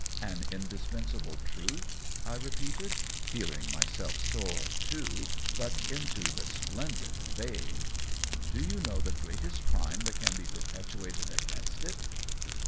"An indispensable truth?" I repeated, feeling myself soar, too, but into the splen did vague. " Do you know the greatest crime that can be perpetrated against it